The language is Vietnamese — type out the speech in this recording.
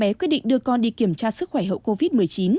bố mẹ quyết định đưa con đi kiểm tra sức khỏe hậu covid một mươi chín